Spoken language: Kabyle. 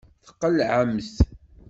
Tqelɛemt.